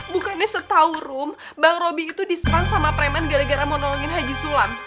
bukannya setau rum bang robi itu diserang sama preman gara gara mau nolongin haji sulam